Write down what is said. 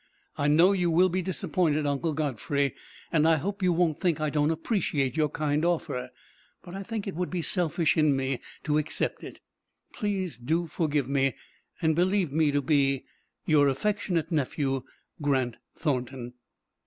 I know you will be disappointed, Uncle Godfrey, and I hope you won't think I don't appreciate your kind offer, but I think it would be selfish in me to accept it. Please do forgive me, and believe me to be Your affectionate nephew, GRANT THORNTON."